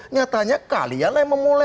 nyatanya kalian yang memulai